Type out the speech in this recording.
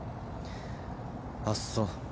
あっそう。